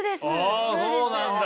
あそうなんだ。